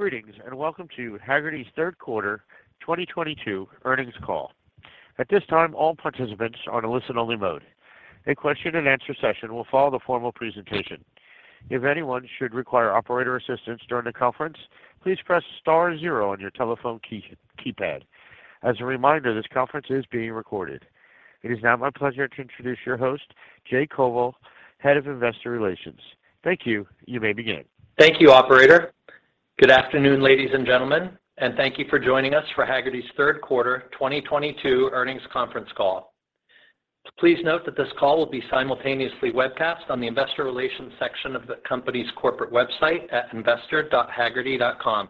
Greetings, and welcome to Hagerty's third quarter 2022 earnings call. At this time, all participants are on a listen-only mode. A question and answer session will follow the formal presentation. If anyone should require operator assistance during the conference, please press star zero on your telephone keypad. As a reminder, this conference is being recorded. It is now my pleasure to introduce your host, Jay Koval, Head of Investor Relations. Thank you. You may begin. Thank you, operator. Good afternoon, ladies and gentlemen, and thank you for joining us for Hagerty's third quarter 2022 earnings conference call. Please note that this call will be simultaneously webcast on the investor relations section of the company's corporate website at investor.hagerty.com.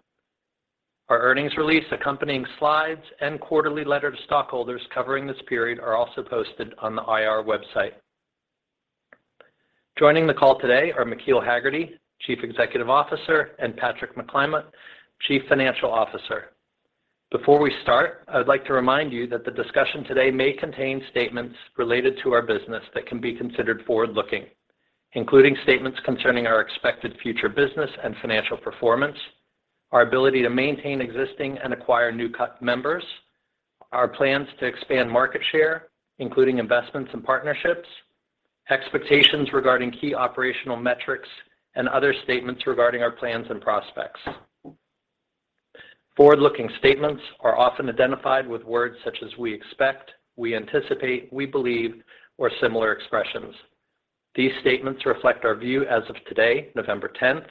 Our earnings release, accompanying slides, and quarterly letter to stockholders covering this period are also posted on the IR website. Joining the call today are McKeel Hagerty, Chief Executive Officer, and Patrick McClymont, Chief Financial Officer. Before we start, I would like to remind you that the discussion today may contain statements related to our business that can be considered forward-looking, including statements concerning our expected future business and financial performance, our ability to maintain existing and acquire new members, our plans to expand market share, including investments and partnerships, expectations regarding key operational metrics, and other statements regarding our plans and prospects. Forward-looking statements are often identified with words such as we expect, we anticipate, we believe, or similar expressions. These statements reflect our view as of today, November tenth,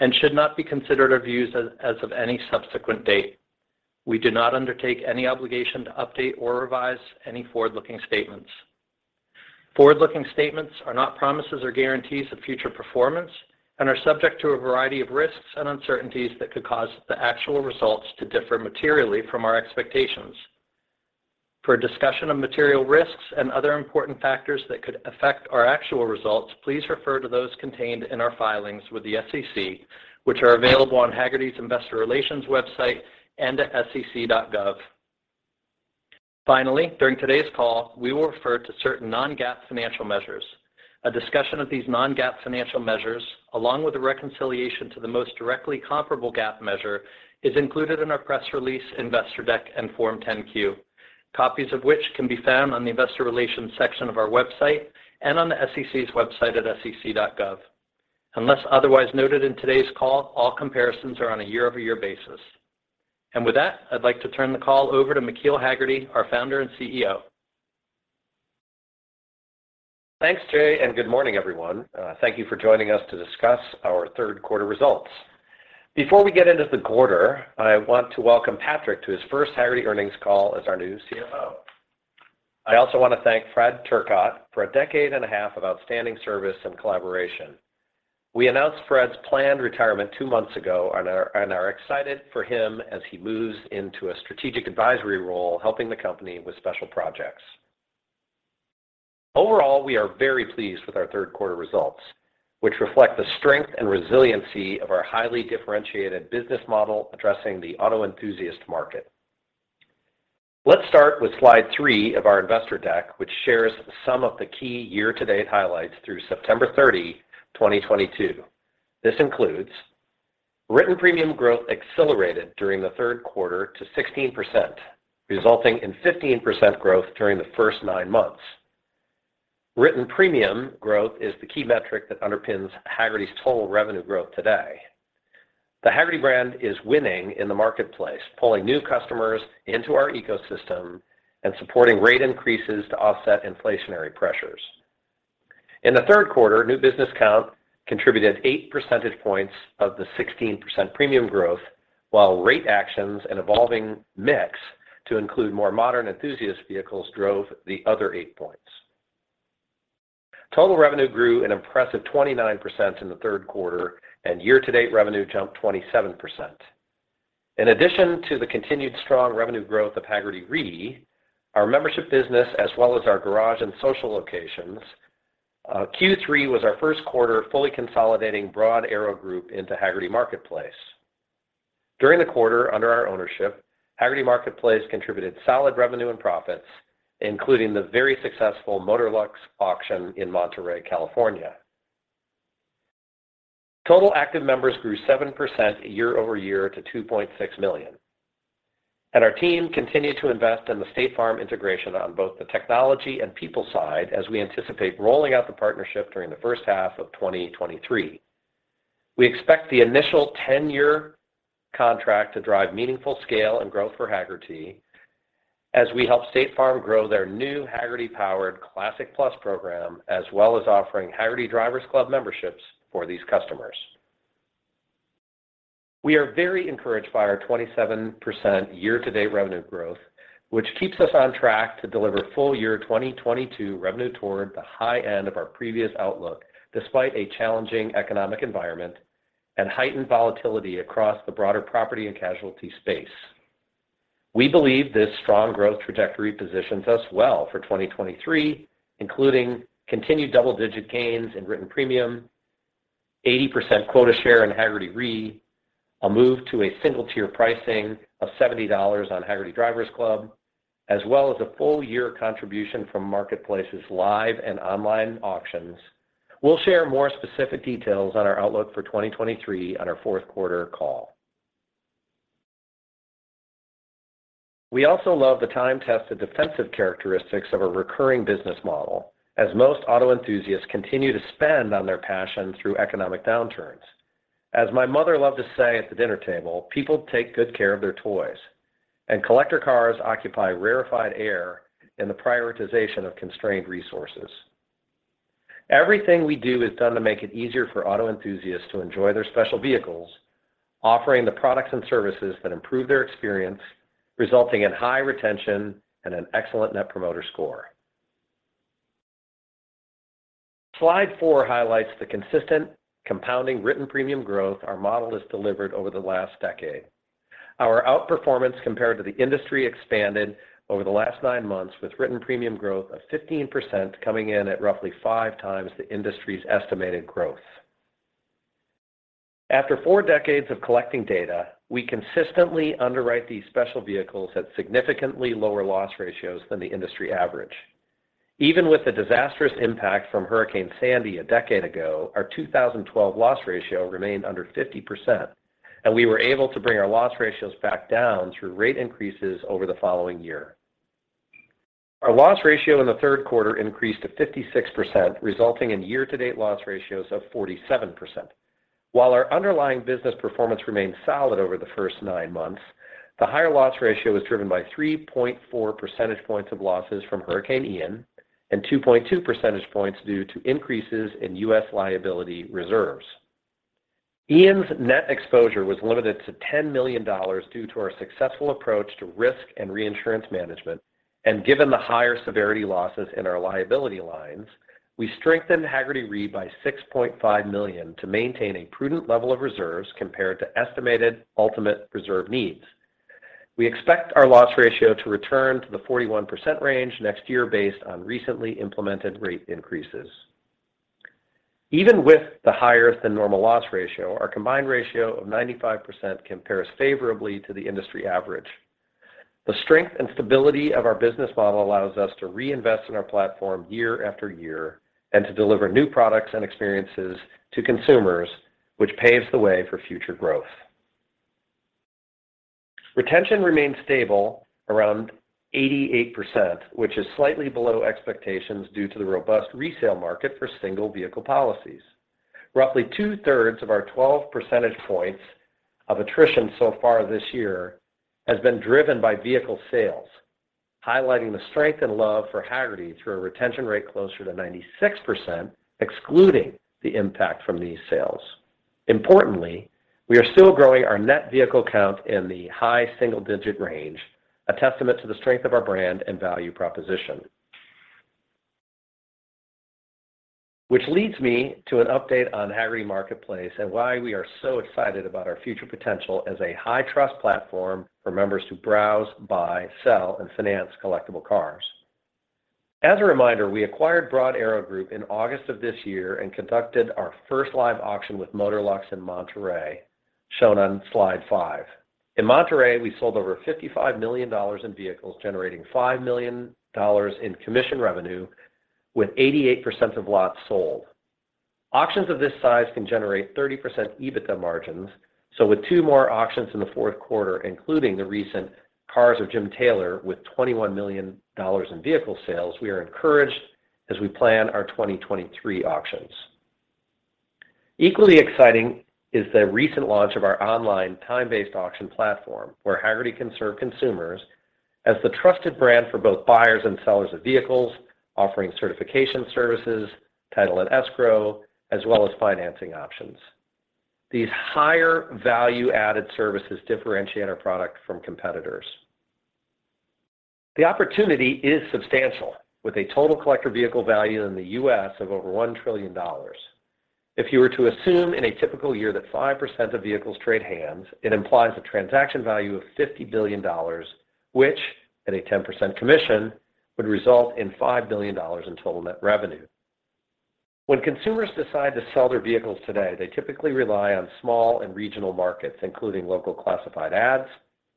and should not be considered our views as of any subsequent date. We do not undertake any obligation to update or revise any forward-looking statements. Forward-looking statements are not promises or guarantees of future performance and are subject to a variety of risks and uncertainties that could cause the actual results to differ materially from our expectations. For a discussion of material risks and other important factors that could affect our actual results, please refer to those contained in our filings with the SEC, which are available on Hagerty's investor relations website and at sec.gov. Finally, during today's call, we will refer to certain non-GAAP financial measures. A discussion of these non-GAAP financial measures, along with the reconciliation to the most directly comparable GAAP measure, is included in our press release, investor deck, and Form 10-Q, copies of which can be found on the investor relations section of our website and on the SEC's website at sec.gov. Unless otherwise noted in today's call, all comparisons are on a year-over-year basis. With that, I'd like to turn the call over to McKeel Hagerty, our founder and CEO. Thanks, Jay, and good morning, everyone. Thank you for joining us to discuss our third quarter results. Before we get into the quarter, I want to welcome Patrick to his first Hagerty earnings call as our new CFO. I also want to thank Fred Turcotte for a decade and a half of outstanding service and collaboration. We announced Fred's planned retirement two months ago and are excited for him as he moves into a strategic advisory role, helping the company with special projects. Overall, we are very pleased with our third quarter results, which reflect the strength and resiliency of our highly differentiated business model addressing the auto enthusiast market. Let's start with slide three of our investor deck, which shares some of the key year-to-date highlights through September 30, 2022. This includes written premium growth accelerated during the third quarter to 16%, resulting in 15% growth during the first nine months. Written premium growth is the key metric that underpins Hagerty's total revenue growth today. The Hagerty brand is winning in the marketplace, pulling new customers into our ecosystem and supporting rate increases to offset inflationary pressures. In the third quarter, new business count contributed 8 percentage points of the 16% premium growth, while rate actions and evolving mix to include more modern enthusiast vehicles drove the other 8 points. Total revenue grew an impressive 29% in the third quarter, and year-to-date revenue jumped 27%. In addition to the continued strong revenue growth of Hagerty Re, our membership business, as well as our garage and social locations, Q3 was our first quarter fully consolidating Broad Arrow Group into Hagerty Marketplace. During the quarter, under our ownership, Hagerty Marketplace contributed solid revenue and profits, including the very successful Motorlux auction in Monterey, California. Total active members grew 7% year-over-year to 2.6 million. Our team continued to invest in the State Farm integration on both the technology and people side as we anticipate rolling out the partnership during the first half of 2023. We expect the initial ten-year contract to drive meaningful scale and growth for Hagerty as we help State Farm grow their new Hagerty-powered Classic Plus program, as well as offering Hagerty Drivers Club memberships for these customers. We are very encouraged by our 27% year-to-date revenue growth, which keeps us on track to deliver full year 2022 revenue toward the high end of our previous outlook, despite a challenging economic environment and heightened volatility across the broader property and casualty space. We believe this strong growth trajectory positions us well for 2023, including continued double-digit gains in written premium, 80% quota share in Hagerty Re, a move to a single-tier pricing of $70 on Hagerty Drivers Club as well as a full year contribution from Hagerty Marketplace's live and online auctions. We'll share more specific details on our outlook for 2023 on our fourth quarter call. We also love the time-tested defensive characteristics of a recurring business model as most auto enthusiasts continue to spend on their passion through economic downturns. As my mother loved to say at the dinner table, "People take good care of their toys," and collector cars occupy rarefied air in the prioritization of constrained resources. Everything we do is done to make it easier for auto enthusiasts to enjoy their special vehicles, offering the products and services that improve their experience, resulting in high retention and an excellent Net Promoter Score. Slide four highlights the consistent compounding written premium growth our model has delivered over the last decade. Our outperformance compared to the industry expanded over the last nine months with written premium growth of 15% coming in at roughly five times the industry's estimated growth. After four decades of collecting data, we consistently underwrite these special vehicles at significantly lower loss ratios than the industry average. Even with the disastrous impact from Hurricane Sandy a decade ago, our 2012 loss ratio remained under 50%, and we were able to bring our loss ratios back down through rate increases over the following year. Our loss ratio in the third quarter increased to 56%, resulting in year-to-date loss ratios of 47%. While our underlying business performance remained solid over the first nine months, the higher loss ratio was driven by 3.4 percentage points of losses from Hurricane Ian and 2.2 percentage points due to increases in U.S. liability reserves. Ian's net exposure was limited to $10 million due to our successful approach to risk and reinsurance management. Given the higher severity losses in our liability lines, we strengthened Hagerty Re by $6.5 million to maintain a prudent level of reserves compared to estimated ultimate reserve needs. We expect our loss ratio to return to the 41% range next year based on recently implemented rate increases. Even with the higher than normal loss ratio, our combined ratio of 95% compares favorably to the industry average. The strength and stability of our business model allows us to reinvest in our platform year after year and to deliver new products and experiences to consumers, which paves the way for future growth. Retention remains stable around 88%, which is slightly below expectations due to the robust resale market for single vehicle policies. Roughly two-thirds of our 12 percentage points of attrition so far this year has been driven by vehicle sales, highlighting the strength and love for Hagerty through a retention rate closer to 96%, excluding the impact from these sales. Importantly, we are still growing our net vehicle count in the high single-digit range, a testament to the strength of our brand and value proposition. Which leads me to an update on Hagerty Marketplace and why we are so excited about our future potential as a high-trust platform for members to browse, buy, sell, and finance collectible cars. As a reminder, we acquired Broad Arrow Group in August of this year and conducted our first live auction with Motorlux in Monterey, shown on slide five. In Monterey, we sold over $55 million in vehicles, generating $5 million in commission revenue with 88% of lots sold. Auctions of this size can generate 30% EBITDA margins. With two more auctions in the fourth quarter, including the recent cars of Jim Taylor with $21 million in vehicle sales, we are encouraged as we plan our 2023 auctions. Equally exciting is the recent launch of our online time-based auction platform, where Hagerty can serve consumers as the trusted brand for both buyers and sellers of vehicles, offering certification services, title and escrow, as well as financing options. These higher value-added services differentiate our product from competitors. The opportunity is substantial, with a total collector vehicle value in the U.S. of over $1 trillion. If you were to assume in a typical year that 5% of vehicles trade hands, it implies a transaction value of $50 billion, which at a 10% commission, would result in $5 billion in total net revenue. When consumers decide to sell their vehicles today, they typically rely on small and regional markets, including local classified ads,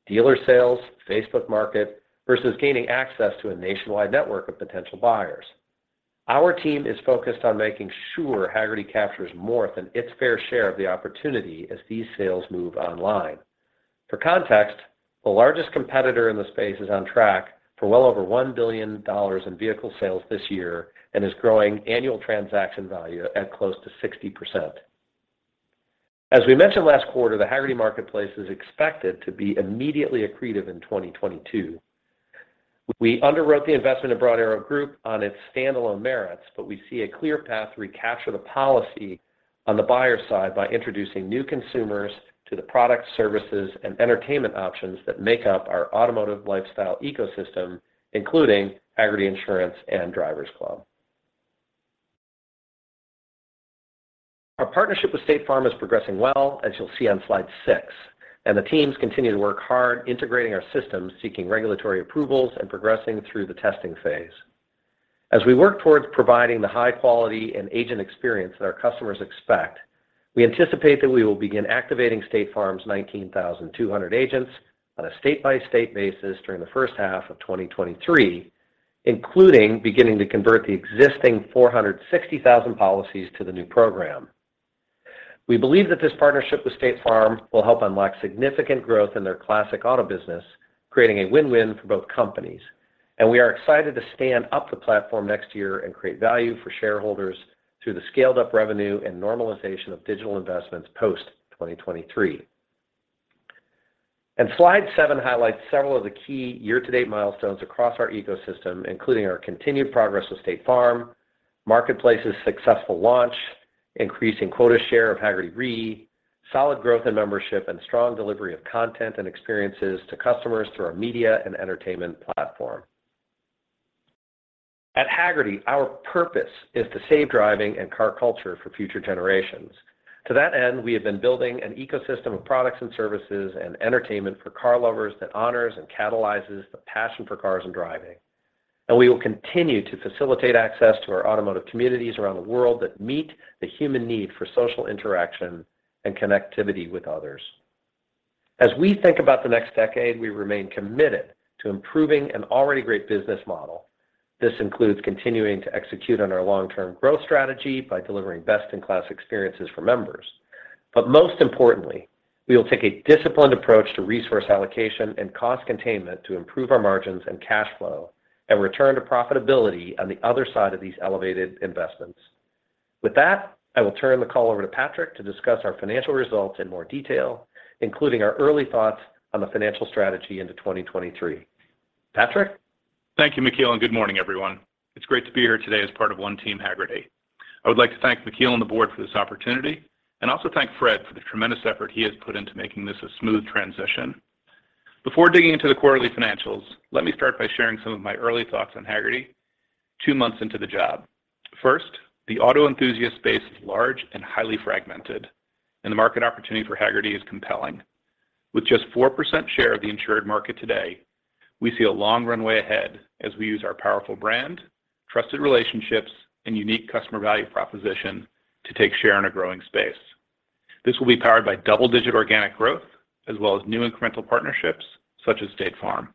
dealer sales, Facebook Marketplace, versus gaining access to a nationwide network of potential buyers. Our team is focused on making sure Hagerty captures more than its fair share of the opportunity as these sales move online. For context, the largest competitor in the space is on track for well over $1 billion in vehicle sales this year and is growing annual transaction value at close to 60%. As we mentioned last quarter, the Hagerty Marketplace is expected to be immediately accretive in 2022. We underwrote the investment of Broad Arrow Group on its standalone merits, but we see a clear path to recapture the policy on the buyer side by introducing new consumers to the product services and entertainment options that make up our automotive lifestyle ecosystem, including Hagerty Insurance and Drivers Club. Our partnership with State Farm is progressing well, as you'll see on slide six, and the teams continue to work hard integrating our systems, seeking regulatory approvals, and progressing through the testing phase. As we work towards providing the high quality and agent experience that our customers expect, we anticipate that we will begin activating State Farm's 19,200 agents on a state-by-state basis during the first half of 2023, including beginning to convert the existing 460,000 policies to the new program. We believe that this partnership with State Farm will help unlock significant growth in their classic auto business, creating a win-win for both companies. We are excited to stand up the platform next year and create value for shareholders through the scaled-up revenue and normalization of digital investments post 2023. Slide seven highlights several of the key year-to-date milestones across our ecosystem, including our continued progress with State Farm, Marketplace's successful launch, increasing quota share of Hagerty Re, solid growth in membership, and strong delivery of content and experiences to customers through our media and entertainment platform. At Hagerty, our purpose is to save driving and car culture for future generations. To that end, we have been building an ecosystem of products and services and entertainment for car lovers that honors and catalyzes the passion for cars and driving. We will continue to facilitate access to our automotive communities around the world that meet the human need for social interaction and connectivity with others. As we think about the next decade, we remain committed to improving an already great business model. This includes continuing to execute on our long-term growth strategy by delivering best-in-class experiences for members. Most importantly, we will take a disciplined approach to resource allocation and cost containment to improve our margins and cash flow and return to profitability on the other side of these elevated investments. With that, I will turn the call over to Patrick to discuss our financial results in more detail, including our early thoughts on the financial strategy into 2023. Patrick? Thank you, McKeel, and good morning, everyone. It's great to be here today as part of One Team Hagerty. I would like to thank McKeel and the board for this opportunity, and also thank Fred for the tremendous effort he has put into making this a smooth transition. Before digging into the quarterly financials, let me start by sharing some of my early thoughts on Hagerty two months into the job. First, the auto enthusiast space is large and highly fragmented, and the market opportunity for Hagerty is compelling. With just 4% share of the insured market today, we see a long runway ahead as we use our powerful brand, trusted relationships, and unique customer value proposition to take share in a growing space. This will be powered by double-digit organic growth as well as new incremental partnerships such as State Farm.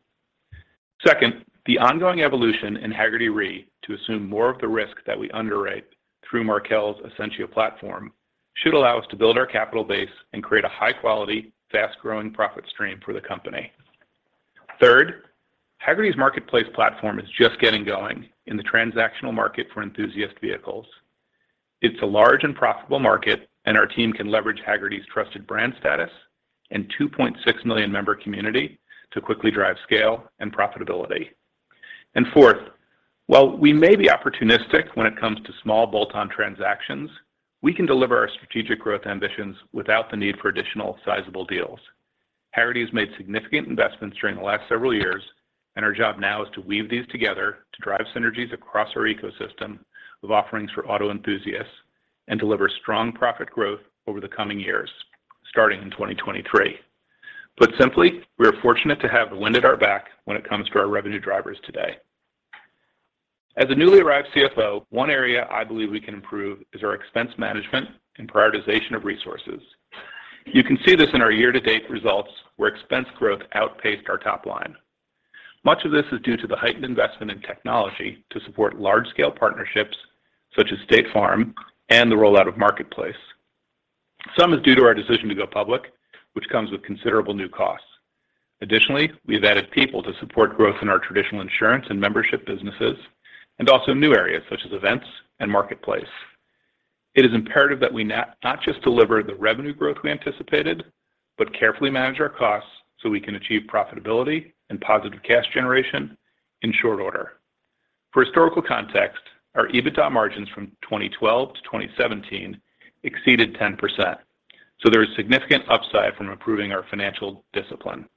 Second, the ongoing evolution in Hagerty Re to assume more of the risk that we underwrite through Markel's Essentia platform should allow us to build our capital base and create a high-quality, fast-growing profit stream for the company. Third, Hagerty's Marketplace platform is just getting going in the transactional market for enthusiast vehicles. It's a large and profitable market, and our team can leverage Hagerty's trusted brand status and 2.6 million member community to quickly drive scale and profitability. And fourth, while we may be opportunistic when it comes to small bolt-on transactions, we can deliver our strategic growth ambitions without the need for additional sizable deals. Hagerty has made significant investments during the last several years, and our job now is to weave these together to drive synergies across our ecosystem of offerings for auto enthusiasts and deliver strong profit growth over the coming years, starting in 2023. Put simply, we are fortunate to have wind at our back when it comes to our revenue drivers today. As a newly arrived CFO, one area I believe we can improve is our expense management and prioritization of resources. You can see this in our year-to-date results where expense growth outpaced our top line. Much of this is due to the heightened investment in technology to support large-scale partnerships such as State Farm and the rollout of Marketplace. Some is due to our decision to go public, which comes with considerable new costs. Additionally, we have added people to support growth in our traditional insurance and membership businesses and also new areas such as events and Marketplace. It is imperative that we not just deliver the revenue growth we anticipated, but carefully manage our costs so we can achieve profitability and positive cash generation in short order. For historical context, our EBITDA margins from 2012-2017 exceeded 10%. There is significant upside from improving our financial discipline.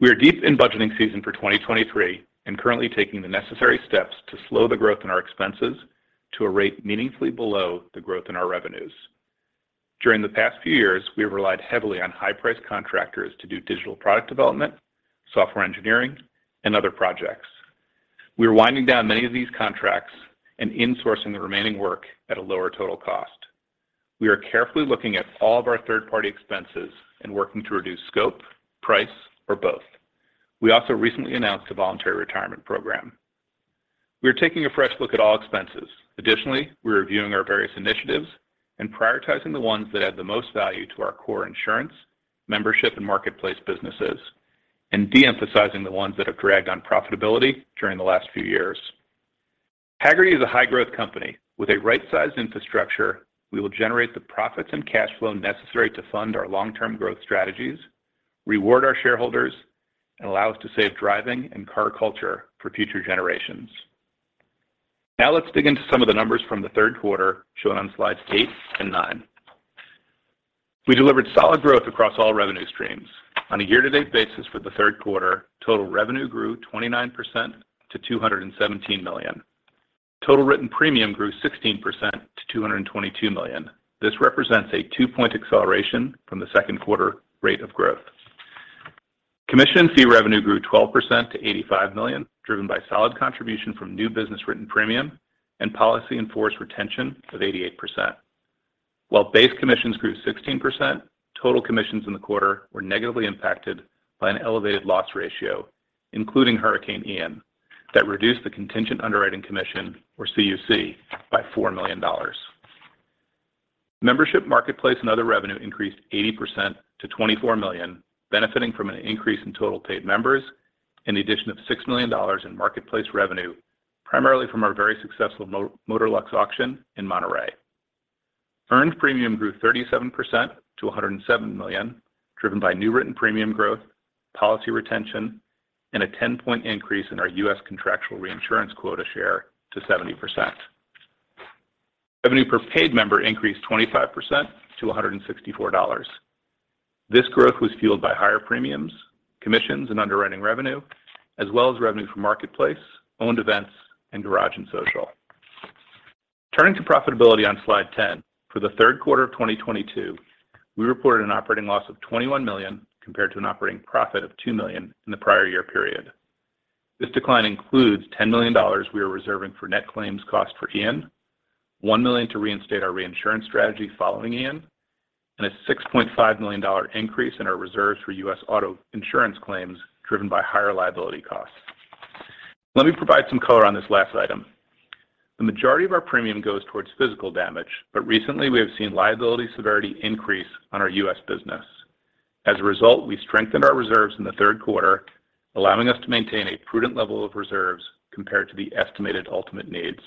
We are deep in budgeting season for 2023 and currently taking the necessary steps to slow the growth in our expenses to a rate meaningfully below the growth in our revenues. During the past few years, we have relied heavily on high-priced contractors to do digital product development, software engineering, and other projects. We are winding down many of these contracts and insourcing the remaining work at a lower total cost. We are carefully looking at all of our third-party expenses and working to reduce scope, price, or both. We also recently announced a voluntary retirement program. We are taking a fresh look at all expenses. Additionally, we are reviewing our various initiatives and prioritizing the ones that add the most value to our core insurance, membership, and marketplace businesses and de-emphasizing the ones that have dragged on profitability during the last few years. Hagerty is a high-growth company. With a right-sized infrastructure, we will generate the profits and cash flow necessary to fund our long-term growth strategies, reward our shareholders, and allow us to save driving and car culture for future generations. Now let's dig into some of the numbers from the third quarter shown on slides eight and nine. We delivered solid growth across all revenue streams. On a year-to-date basis for the third quarter, total revenue grew 29% to $217 million. Total written premium grew 16% to $222 million. This represents a two-point acceleration from the second quarter rate of growth. Commission fee revenue grew 12% to $85 million, driven by solid contribution from new business written premium and policy in force retention of 88%. While base commissions grew 16%, total commissions in the quarter were negatively impacted by an elevated loss ratio, including Hurricane Ian, that reduced the contingent underwriting commission, or CUC, by $4 million. Membership marketplace and other revenue increased 80% to $24 million, benefiting from an increase in total paid members and the addition of $6 million in marketplace revenue, primarily from our very successful Motorlux auction in Monterey. Earned premium grew 37% to $107 million, driven by new written premium growth, policy retention, and a 10-point increase in our U.S. contractual reinsurance quota share to 70%. Revenue per paid member increased 25% to $164. This growth was fueled by higher premiums, commissions, and underwriting revenue, as well as revenue from Marketplace, owned events, and Garage + Social. Turning to profitability on slide 10, for the third quarter of 2022, we reported an operating loss of $21 million compared to an operating profit of $2 million in the prior year period. This decline includes $10 million we are reserving for net claims cost for Ian, $1 million to reinstate our reinsurance strategy following Ian, and a $6.5 million increase in our reserves for U.S. auto insurance claims driven by higher liability costs. Let me provide some color on this last item. The majority of our premium goes towards physical damage, but recently, we have seen liability severity increase on our U.S. business. As a result, we strengthened our reserves in the third quarter, allowing us to maintain a prudent level of reserves compared to the estimated ultimate needs.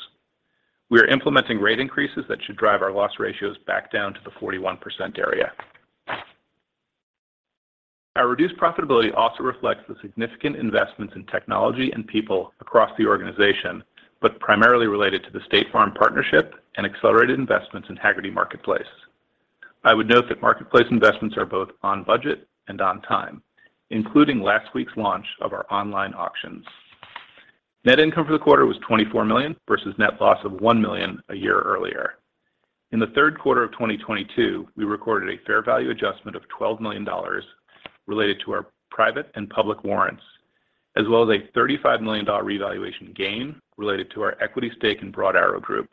We are implementing rate increases that should drive our loss ratios back down to the 41% area. Our reduced profitability also reflects the significant investments in technology and people across the organization, but primarily related to the State Farm partnership and accelerated investments in Hagerty Marketplace. I would note that marketplace investments are both on budget and on time, including last week's launch of our online auctions. Net income for the quarter was $24 million versus net loss of $1 million a year earlier. In the third quarter of 2022, we recorded a fair value adjustment of $12 million related to our private and public warrants, as well as a $35 million revaluation gain related to our equity stake in Broad Arrow Group.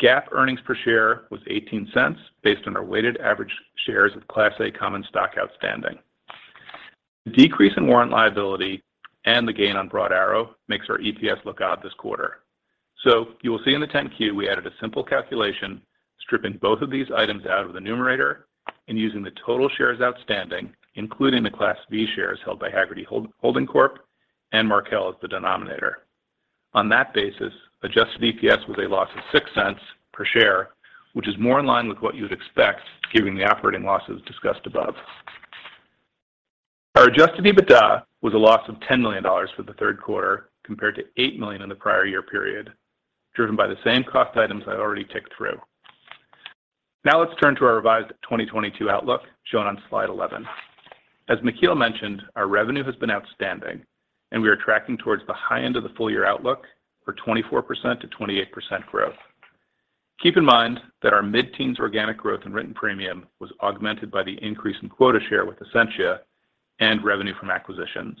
GAAP earnings per share was $0.18 based on our weighted average shares of Class A common stock outstanding. Decrease in warrant liability and the gain on Broad Arrow makes our EPS look odd this quarter. So you will see in the Form 10-Q, we added a simple calculation, stripping both of these items out of the numerator and using the total shares outstanding, including the Class B shares held by Hagerty Holding Corp. and Markel as the denominator. On that basis, adjusted EPS was a loss of $0.06 per share, which is more in line with what you would expect given the operating losses discussed above. Our adjusted EBITDA was a loss of $10 million for the third quarter, compared to $8 million in the prior year period, driven by the same cost items I've already ticked through. Now let's turn to our revised 2022 outlook shown on slide 11. As McKeel mentioned, our revenue has been outstanding, and we are tracking towards the high end of the full year outlook for 24%-28% growth. Keep in mind that our mid-teens organic growth in written premium was augmented by the increase in quota share with Essentia and revenue from acquisitions.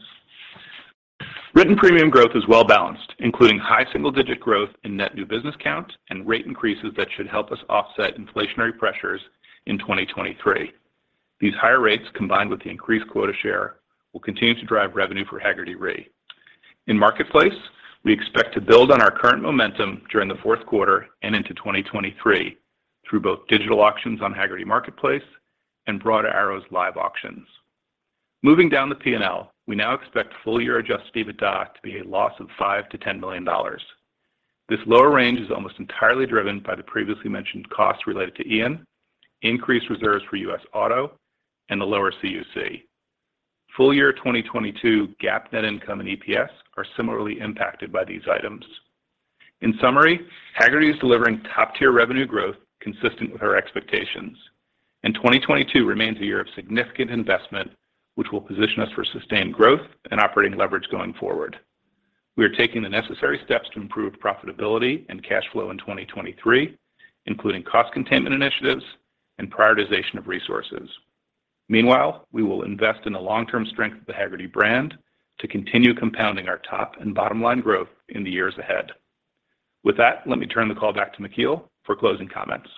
Written premium growth is well balanced, including high single-digit growth in net new business count and rate increases that should help us offset inflationary pressures in 2023. These higher rates, combined with the increased quota share, will continue to drive revenue for Hagerty Re. In Marketplace, we expect to build on our current momentum during the fourth quarter and into 2023 through both digital auctions on Hagerty Marketplace and Broad Arrow's live auctions. Moving down the P&L, we now expect full year adjusted EBITDA to be a loss of $5 million-$10 million. This lower range is almost entirely driven by the previously mentioned costs related to Ian, increased reserves for U.S. Auto, and the lower CUC. Full year 2022 GAAP net income and EPS are similarly impacted by these items. In summary, Hagerty is delivering top-tier revenue growth consistent with our expectations, and 2022 remains a year of significant investment which will position us for sustained growth and operating leverage going forward. We are taking the necessary steps to improve profitability and cash flow in 2023, including cost containment initiatives and prioritization of resources. Meanwhile, we will invest in the long-term strength of the Hagerty brand to continue compounding our top and bottom line growth in the years ahead. With that, let me turn the call back to McKeel for closing comments.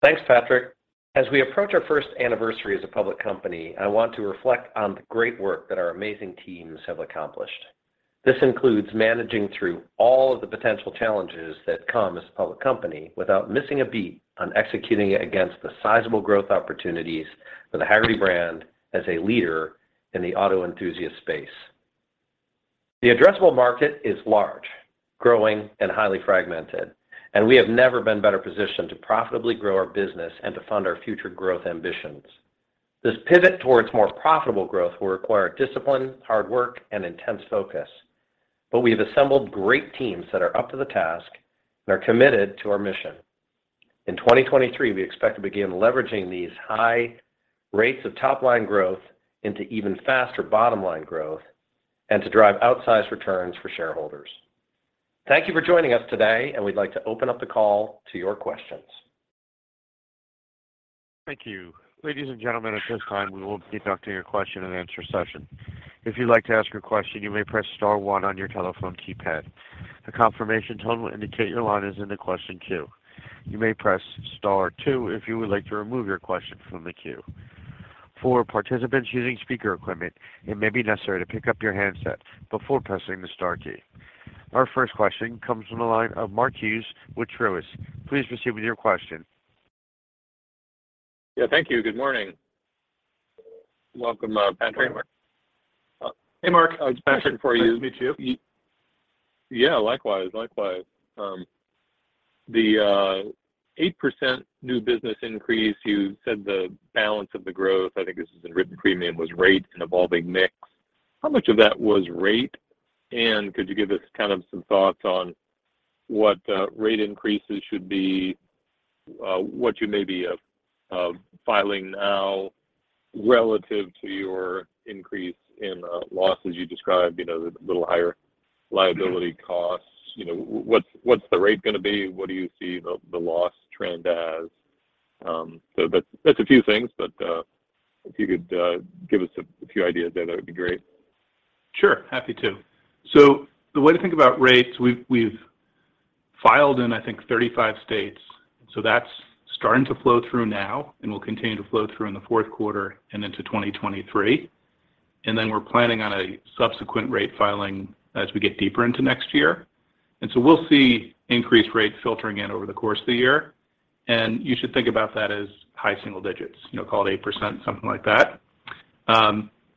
Thanks, Patrick. As we approach our first anniversary as a public company, I want to reflect on the great work that our amazing teams have accomplished. This includes managing through all of the potential challenges that come as a public company without missing a beat on executing against the sizable growth opportunities for the Hagerty brand as a leader in the auto enthusiast space. The addressable market is large, growing, and highly fragmented, and we have never been better positioned to profitably grow our business and to fund our future growth ambitions. This pivot towards more profitable growth will require discipline, hard work, and intense focus, but we have assembled great teams that are up to the task and are committed to our mission. In 2023, we expect to begin leveraging these high rates of top-line growth into even faster bottom-line growth and to drive outsized returns for shareholders. Thank you for joining us today, and we'd like to open up the call to your questions. Thank you. Ladies and gentlemen, at this time, we will conduct a question and answer session. If you'd like to ask a question, you may press star one on your telephone keypad. A confirmation tone will indicate your line is in the question queue. You may press star two if you would like to remove your question from the queue. For participants using speaker equipment, it may be necessary to pick up your handset before pressing the star key. Our first question comes from the line of Mark Hughes with Truist. Please proceed with your question. Yeah, thank you. Good morning. Welcome, Patrick. Hey, Mark. I just mentioned for you. Nice to meet you. Yeah, likewise. Likewise. The 8% new business increase, you said the balance of the growth, I think this is in written premium, was rate, an evolving mix. How much of that was rate? And could you give us kind of some thoughts on what rate increases should be, what you may be filing now relative to your increase in losses you described, you know, the little higher liability costs? You know, what's the rate gonna be? What do you see the loss trend as? That's a few things, but if you could give us a few ideas there, that would be great. Sure. Happy to. The way to think about rates, we've filed in, I think, 35 states. That's starting to flow through now and will continue to flow through in the fourth quarter and into 2023. We're planning on a subsequent rate filing as we get deeper into next year. We'll see increased rates filtering in over the course of the year. You should think about that as high single digits, you know, call it 8%, something like that.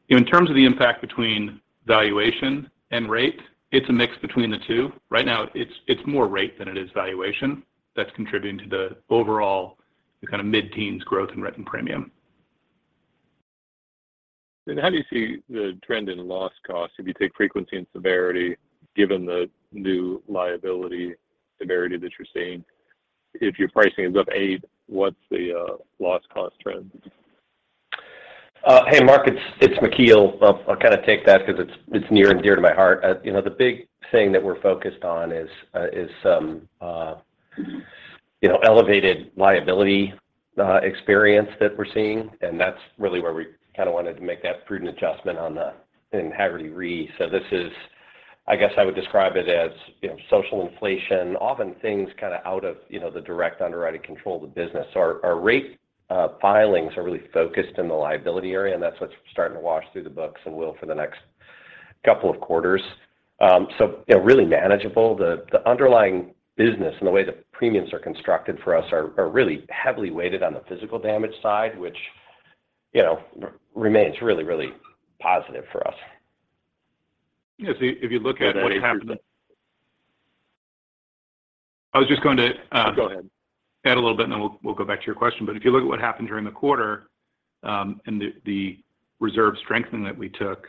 In terms of the impact between valuation and rate, it's a mix between the two. Right now, it's more rate than it is valuation that's contributing to the overall kind of mid-teens growth in written premium. How do you see the trend in loss costs if you take frequency and severity, given the new liability severity that you're seeing? If your pricing is up 8, what's the loss cost trend? Hey, Mark, it's McKeel. I'll kind of take that because it's near and dear to my heart. You know, the big thing that we're focused on is some elevated liability experience that we're seeing, and that's really where we kind of wanted to make that prudent adjustment in Hagerty Re. This is. I guess I would describe it as, you know, social inflation. Often things kind of out of, you know, the direct underwriting control of the business. Our rate filings are really focused in the liability area, and that's what's starting to wash through the books and will for the next couple of quarters. You know, really manageable. The underlying business and the way the premiums are constructed for us are really heavily weighted on the physical damage side, which, you know, remains really positive for us. Yeah. If you look at what happened. I was just going to. Go ahead. Add a little bit, and then we'll go back to your question. If you look at what happened during the quarter, and the reserve strengthening that we took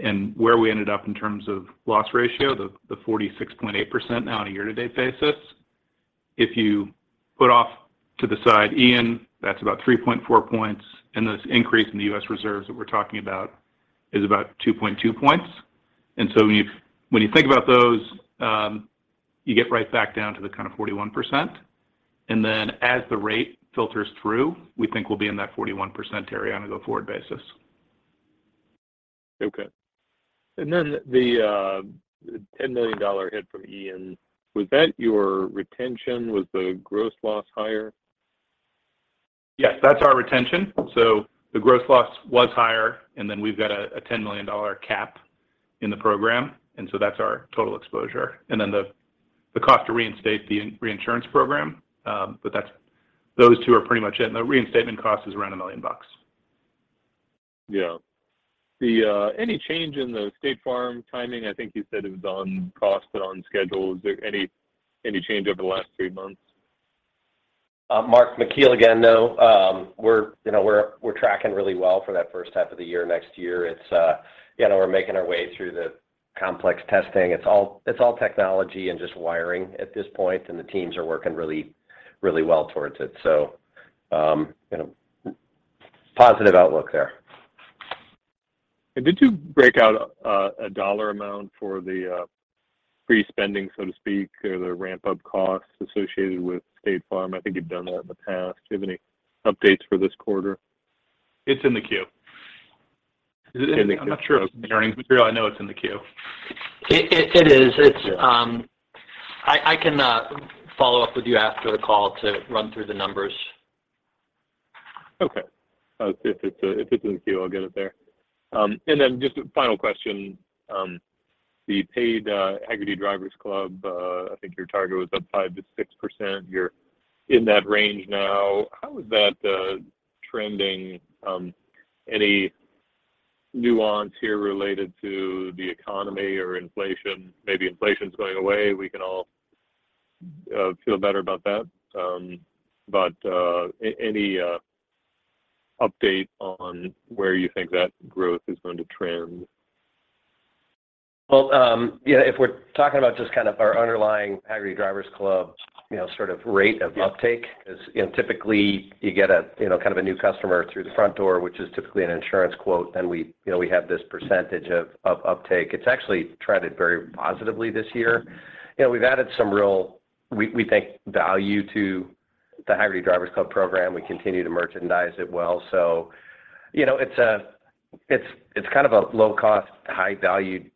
and where we ended up in terms of loss ratio, the 46.8% now on a year-to-date basis. If you put off to the side Ian, that's about 3.4 points, and this increase in the U.S. reserves that we're talking about is about 2.2 points. When you think about those, you get right back down to the kind of 41%. Then as the rate filters through, we think we'll be in that 41% area on a go-forward basis. Okay. The $10 million hit from Hurricane Ian, was that your retention? Was the gross loss higher? Yes, that's our retention. The gross loss was higher, and then we've got a $10 million cap in the program, and so that's our total exposure. Then the cost to reinstate the reinsurance program, but that's those two are pretty much it. The reinstatement cost is around $1 million. Yeah. Any change in the State Farm timing? I think you said it was on cost and on schedule. Is there any change over the last three months? Mark, McKeel again, though. We're, you know, tracking really well for that first half of the year next year. It's, you know, we're making our way through the complex testing. It's all technology and just wiring at this point, and the teams are working really, really well towards it. You know, positive outlook there. Did you break out a dollar amount for the free spending, so to speak, or the ramp-up costs associated with State Farm? I think you've done that in the past. Do you have any updates for this quarter? It's in the queue. Is it in the- I'm not sure if it's in the earnings material. I know it's in the queue. It is. I can follow up with you after the call to run through the numbers. Okay. If it's in the queue, I'll get it there. Just a final question. The paid Hagerty Drivers Club, I think your target was up 5%-6%. You're in that range now. How is that trending? Any nuance here related to the economy or inflation? Maybe inflation's going away, we can all feel better about that. Any update on where you think that growth is going to trend? Well, yeah, if we're talking about just kind of our underlying Hagerty Drivers Club, you know, sort of rate of uptake. 'Cause, you know, typically you get a, you know, kind of a new customer through the front door, which is typically an insurance quote, then we, you know, we have this percentage of uptake. It's actually trended very positively this year. You know, we've added some real value, we think, to the Hagerty Drivers Club program, we continue to merchandise it well. You know, it's kind of a low-cost, high-value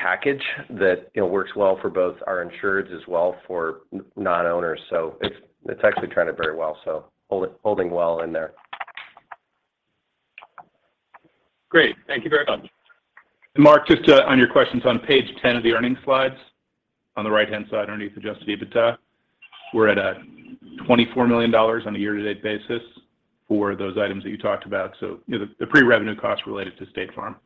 package that, you know, works well for both our insureds as well for non-owners. It's actually trending very well, so holding well in there. Great. Thank you very much. Mark, just on your questions on page 10 of the earnings slides, on the right-hand side underneath adjusted EBITDA, we're at $24 million on a year-to-date basis for those items that you talked about, so you know, the pre-revenue costs related to State Farm.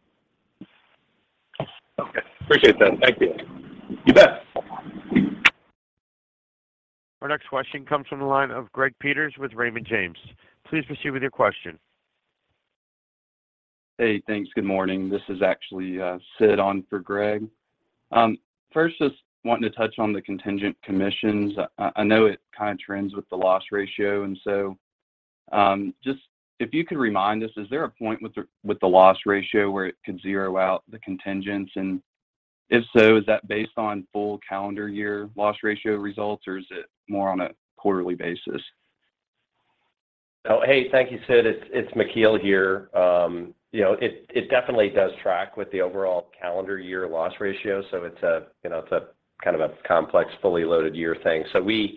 Okay. Appreciate that. Thank you. You bet. Our next question comes from the line of Greg Peters with Raymond James. Please proceed with your question. Hey, thanks. Good morning. This is actually Sid on for Greg Peters. First, just wanting to touch on the contingent commissions. I know it kind of trends with the loss ratio. Just if you could remind us, is there a point with the loss ratio where it could zero out the contingents? And if so, is that based on full calendar year loss ratio results, or is it more on a quarterly basis? Oh, hey, thank you, Sid. It's McKeel here. You know, it definitely does track with the overall calendar year loss ratio. It's a kind of a complex, fully loaded year thing. But we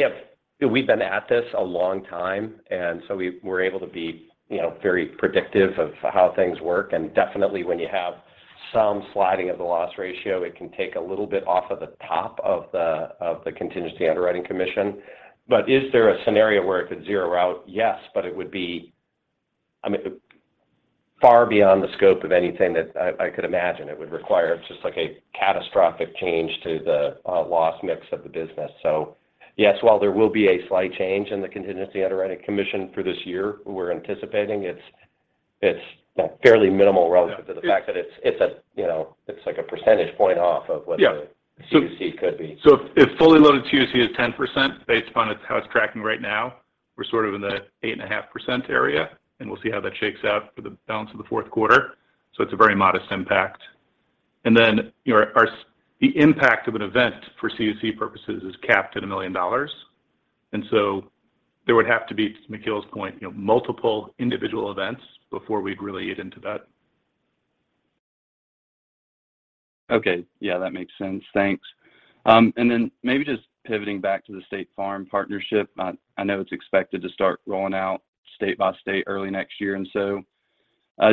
have you know we've been at this a long time, and so we're able to be you know very predictive of how things work. Definitely when you have some sliding of the loss ratio, it can take a little bit off of the top of the contingency underwriting commission. Is there a scenario where it could zero out? Yes, but it would be I mean far beyond the scope of anything that I could imagine. It would require just like a catastrophic change to the loss mix of the business. Yes, while there will be a slight change in the contingency underwriting commission for this year, we're anticipating it's, you know, fairly minimal relative to the fact that it's a, you know, it's like a percentage point off of what the. Yeah. CUC could be. If fully loaded CUC is 10% based upon how it's tracking right now, we're sort of in the 8.5% area, and we'll see how that shakes out for the balance of the fourth quarter. It's a very modest impact. You know, the impact of an event for CUC purposes is capped at $1 million. There would have to be, to McKeel's point, you know, multiple individual events before we'd really get into that. Okay. Yeah, that makes sense. Thanks. Maybe just pivoting back to the State Farm partnership. I know it's expected to start rolling out state by state early next year,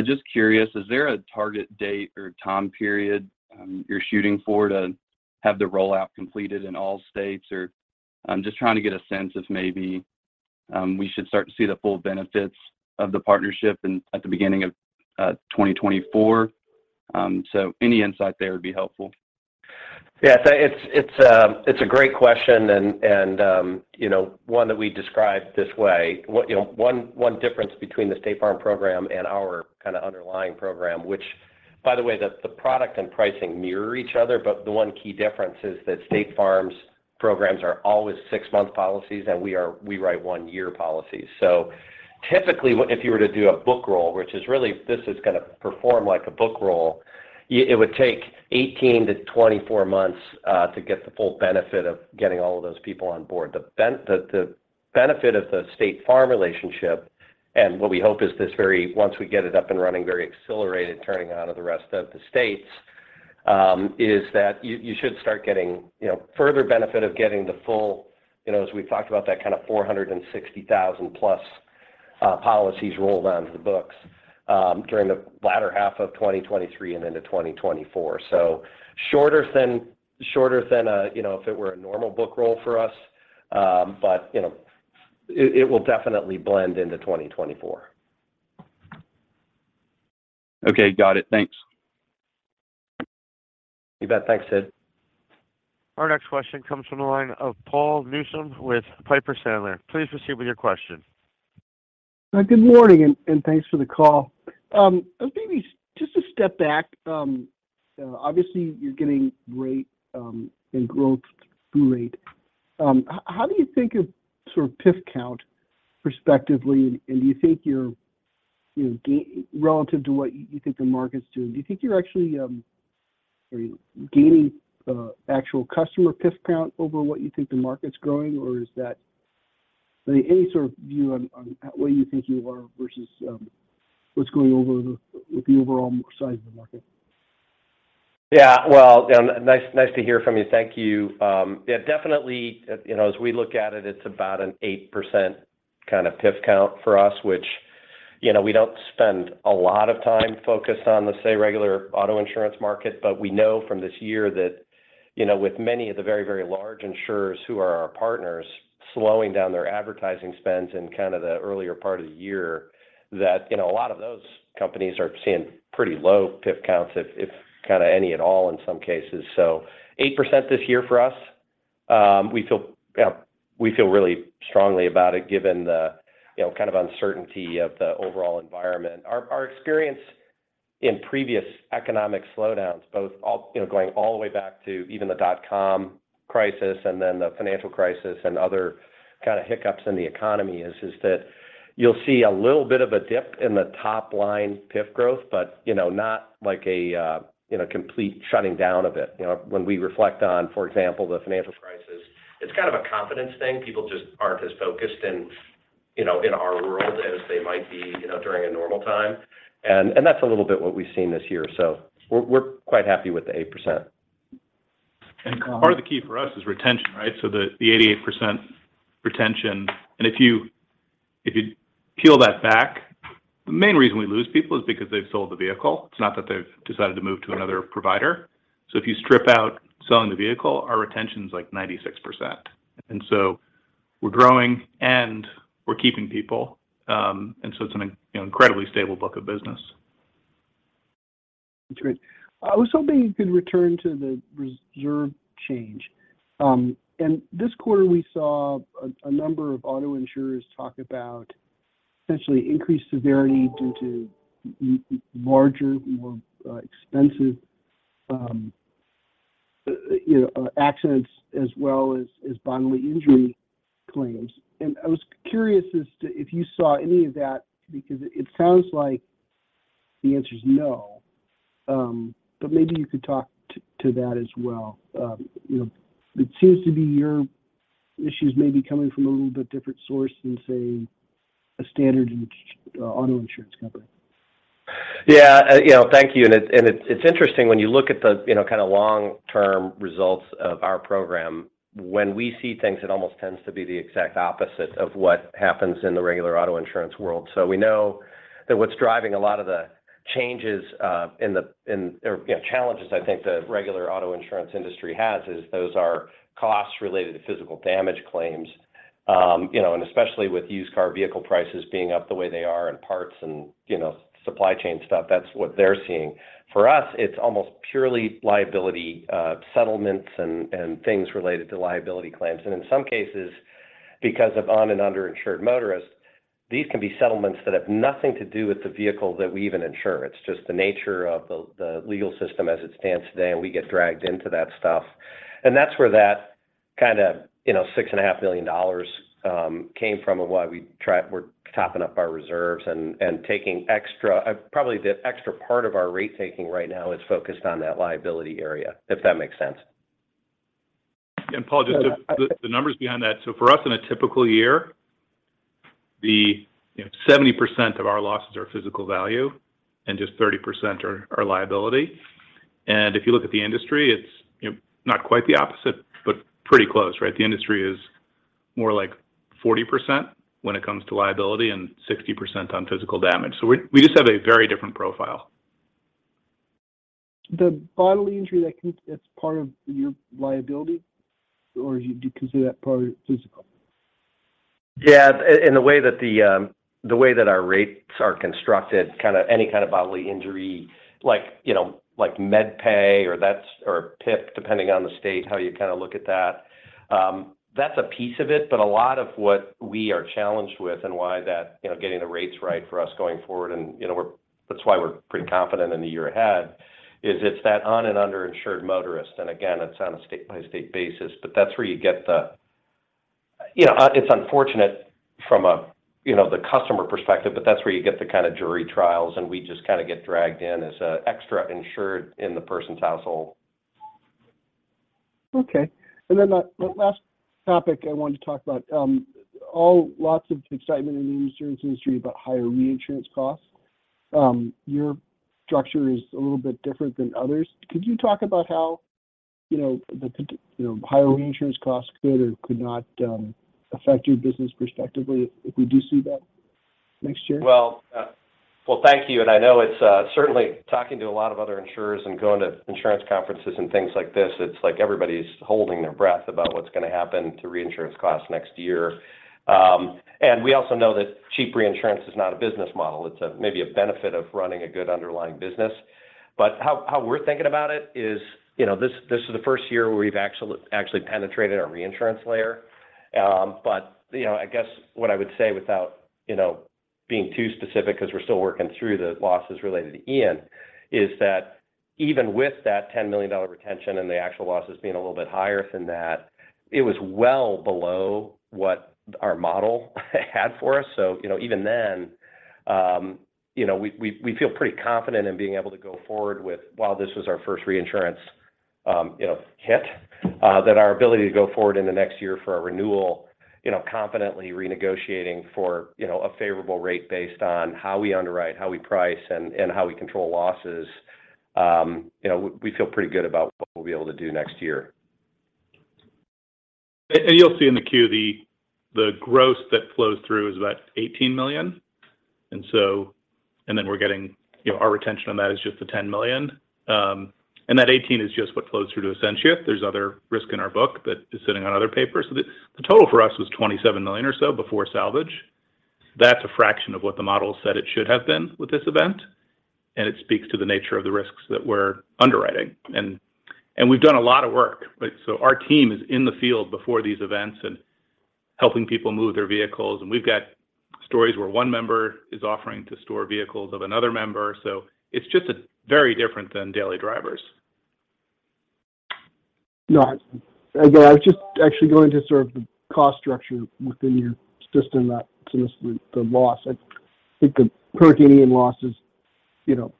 just curious, is there a target date or time period you're shooting for to have the rollout completed in all states? I'm just trying to get a sense of maybe we should start to see the full benefits of the partnership at the beginning of 2024. Any insight there would be helpful. Yeah. It's a great question and, you know, one that we describe this way. You know, one difference between the State Farm program and our kind of underlying program, which by the way, the product and pricing mirror each other, but the one key difference is that State Farm's programs are always six-month policies, and we write one-year policies. So typically, if you were to do a book roll, which is really this is going to perform like a book roll, it would take 18-24 months to get the full benefit of getting all of those people on board. The benefit of the State Farm relationship, and what we hope is this very once we get it up and running, very accelerated turning on of the rest of the states, is that you should start getting, you know, further benefit of getting the full, you know, as we've talked about that kind of 460,000+ policies rolled onto the books, during the latter half of 2023 and into 2024. Shorter than a, you know, if it were a normal book roll for us, but you know, it will definitely blend into 2024. Okay. Got it. Thanks. You bet. Thanks, Sid. Our next question comes from the line of Paul Newsome with Piper Sandler. Please proceed with your question. Good morning, thanks for the call. Maybe just to step back, obviously you're getting great income growth through rate. How do you think of sort of PIF count respectively, and do you think you're gaining relative to what you think the market's doing, do you think you're actually gaining actual customer PIF count over what you think the market's growing? Is that any sort of view on what you think you are versus what's going on with the overall size of the market? Yeah. Well, nice to hear from you. Thank you. Yeah, definitely, you know, as we look at it's about an 8% kind of PIF count for us, which, you know, we don't spend a lot of time focused on the, say, regular auto insurance market. We know from this year that, you know, with many of the very large insurers who are our partners slowing down their advertising spends in kind of the earlier part of the year, that, you know, a lot of those companies are seeing pretty low PIF counts, if kind of any at all in some cases. 8% this year for us, we feel, you know, really strongly about it given the, you know, kind of uncertainty of the overall environment. Our experience in previous economic slowdowns, you know, going all the way back to even the dot-com crisis and then the financial crisis and other kind of hiccups in the economy is that you'll see a little bit of a dip in the top line PIF growth, but, you know, not like a, you know, complete shutting down of it. You know, when we reflect on, for example, the financial crisis, it's kind of a confidence thing. People just aren't as focused in, you know, in our world as they might be, you know, during a normal time, and that's a little bit what we've seen this year. We're quite happy with the 8%. And part of the key for us is retention, right? The 88% retention, and if you peel that back, the main reason we lose people is because they've sold the vehicle. It's not that they've decided to move to another provider. If you strip out selling the vehicle, our retention's like 96%. We're growing, and we're keeping people, you know, and so it's an incredibly stable book of business. That's great. I was hoping you could return to the reserve change. This quarter we saw a number of auto insurers talk about essentially increased severity due to larger, more expensive, you know, accidents as well as bodily injury claims. I was curious as to if you saw any of that because it sounds like the answer's no. Maybe you could talk to that as well. You know, it seems to be your issues may be coming from a little bit different source than, say, a standard auto insurance company. Yeah. You know, thank you. It's interesting when you look at the, you know, kind of long-term results of our program. When we see things, it almost tends to be the exact opposite of what happens in the regular auto insurance world. We know that what's driving a lot of the changes, or, you know, challenges I think the regular auto insurance industry has is those are costs related to physical damage claims. You know, especially with used car vehicle prices being up the way they are and parts and, you know, supply chain stuff, that's what they're seeing. For us, it's almost purely liability settlements and things related to liability claims. In some cases, because of uninsured and underinsured motorists, these can be settlements that have nothing to do with the vehicle that we even insure. It's just the nature of the legal system as it stands today, and we get dragged into that stuff. That's where that kind of, you know, $6.5 million came from of why we're topping up our reserves and taking extra. Probably the extra part of our ratemaking right now is focused on that liability area, if that makes sense. Paul, just the numbers behind that. For us in a typical year, you know, 70% of our losses are physical value and just 30% are liability. If you look at the industry, it's, you know, not quite the opposite, but pretty close, right? The industry is more like 40% when it comes to liability and 60% on physical damage. We just have a very different profile. The bodily injury, that's part of your liability or do you consider that part of physical? Yeah. In the way that our rates are constructed, kind of any kind of bodily injury like, you know, like med pay or that's or PIF, depending on the state, how you kind of look at that's a piece of it. A lot of what we are challenged with and why that, you know, getting the rates right for us going forward and, you know, that's why we're pretty confident in the year ahead is it's that uninsured and underinsured motorist, and again, it's on a state-by-state basis. That's where you get the. You know, it's unfortunate from a, you know, the customer perspective, but that's where you get the kind of jury trials, and we just kind of get dragged in as an extra insured in the person's household. Okay. The last topic I wanted to talk about, lots of excitement in the insurance industry about higher reinsurance costs. Your structure is a little bit different than others. Could you talk about how, you know, higher reinsurance costs could or could not affect your business prospectively if we do see that next year? Well, thank you. I know it's certainly talking to a lot of other insurers and going to insurance conferences and things like this, it's like everybody's holding their breath about what's gonna happen to reinsurance costs next year. We also know that cheap reinsurance is not a business model. It's maybe a benefit of running a good underlying business. How we're thinking about it is, you know, this is the first year where we've actually penetrated our reinsurance layer. But, you know, I guess what I would say without, you know, being too specific because we're still working through the losses related to Ian, is that even with that $10 million retention and the actual losses being a little bit higher than that, it was well below what our model had for us. You know, even then, you know, we feel pretty confident in being able to go forward with, while this was our first reinsurance, you know, hit, that our ability to go forward in the next year for a renewal, you know, confidently renegotiating for, you know, a favorable rate based on how we underwrite, how we price, and how we control losses, you know, we feel pretty good about what we'll be able to do next year. You'll see in the queue the growth that flows through is about $18 million. Then we're getting, you know, our retention on that is just the $10 million. That eighteen is just what flows through to Essentia. There's other risk in our book that is sitting on other papers. The total for us was $27 million or so before salvage. That's a fraction of what the model said it should have been with this event, and it speaks to the nature of the risks that we're underwriting. We've done a lot of work. Our team is in the field before these events and helping people move their vehicles, and we've got stories where one member is offering to store vehicles of another member. It's just a very different than daily drivers. No, again, I was just actually going to sort of the cost structure within your system. So this is the loss. I think the hurricane losses, you know,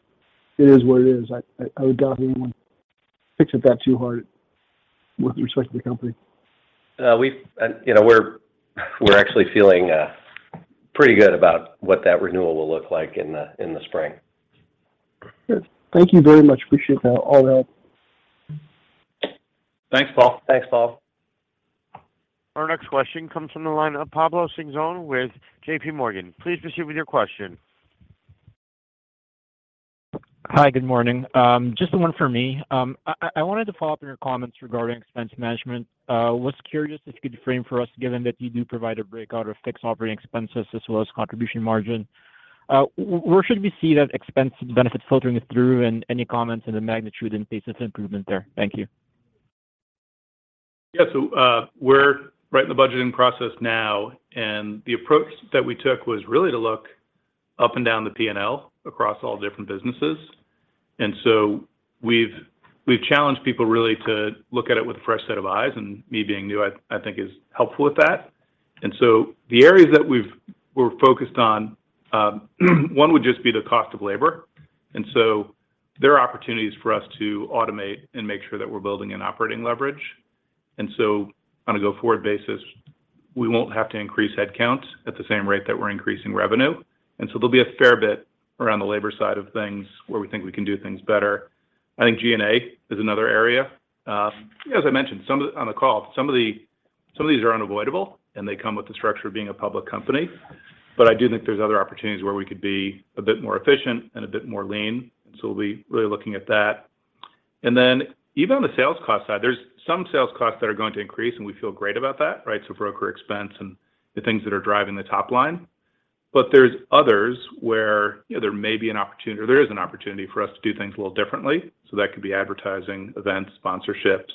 it is what it is. I would doubt anyone fixate on that too hard with respect to the company. You know, we're actually feeling pretty good about what that renewal will look like in the spring. Good. Thank you very much. Appreciate that. All help. Thanks, Paul. Thanks, Paul. Our next question comes from the line of Pablo Singzon with J.P. Morgan. Please proceed with your question. Hi, good morning. Just the one for me. I wanted to follow up on your comments regarding expense management. Was curious if you could frame for us, given that you do provide a breakout of fixed operating expenses as well as contribution margin, where should we see that expense benefit filtering through, and any comments on the magnitude and pace of improvement there? Thank you. Yeah. We're right in the budgeting process now, and the approach that we took was really to look up and down the P&L across all different businesses. We've challenged people really to look at it with a fresh set of eyes, and me being new, I think is helpful with that. The areas that we've focused on, one would just be the cost of labor. There are opportunities for us to automate and make sure that we're building an operating leverage. On a go-forward basis, we won't have to increase headcount at the same rate that we're increasing revenue. There'll be a fair bit around the labor side of things where we think we can do things better. I think G&A is another area. As I mentioned, some of these are unavoidable, and they come with the structure of being a public company. I do think there's other opportunities where we could be a bit more efficient and a bit more lean. We'll be really looking at that. Even on the sales cost side, there's some sales costs that are going to increase, and we feel great about that, right? Broker expense and the things that are driving the top line. But there's others where, you know, there may be an opportunity or there is an opportunity for us to do things a little differently. That could be advertising, events, sponsorships.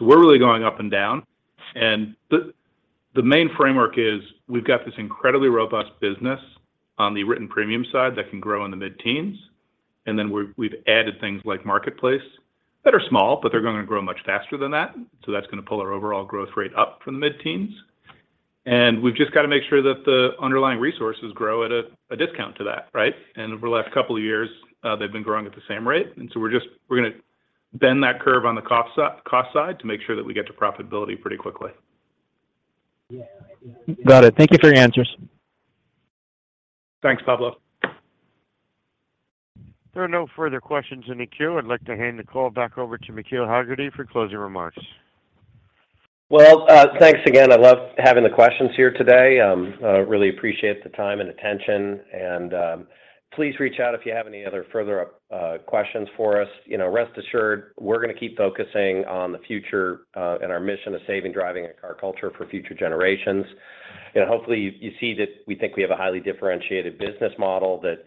We're really going up and down. And the main framework is we've got this incredibly robust business on the written premium side that can grow in the mid-teens%. We've added things like Marketplace that are small, but they're gonna grow much faster than that. That's gonna pull our overall growth rate up from the mid-teens%. We've just got to make sure that the underlying resources grow at a discount to that, right? Over the last couple of years, they've been growing at the same rate. We're just gonna bend that curve on the cost side to make sure that we get to profitability pretty quickly. Got it. Thank you for your answers. Thanks, Pablo. There are no further questions in the queue. I'd like to hand the call back over to McKeel Hagerty for closing remarks. Well, thanks again. I love having the questions here today. Really appreciate the time and attention, and please reach out if you have any other further questions for us. You know, rest assured we're gonna keep focusing on the future and our mission of saving driving and car culture for future generations. You know, hopefully you see that we think we have a highly differentiated business model that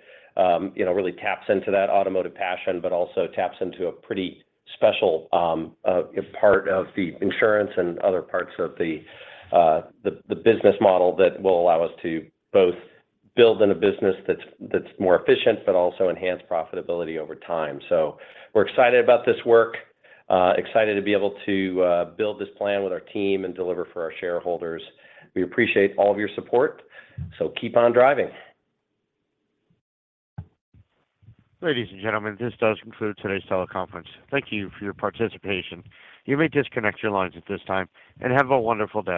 you know really taps into that automotive passion, but also taps into a pretty special part of the insurance and other parts of the business model that will allow us to both build in a business that's more efficient, but also enhance profitability over time. We're excited about this work, excited to be able to build this plan with our team and deliver for our shareholders. We appreciate all of your support, so keep on driving. Ladies and gentlemen, this does conclude today's teleconference. Thank you for your participation. You may disconnect your lines at this time, and have a wonderful day.